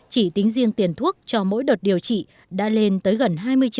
chỉ tính riêng tiền thuốc cho mỗi đợt điều trị đã lên tới gần hai mươi triệu